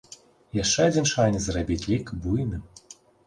Яшчэ адзін шанец зрабіць лік буйным.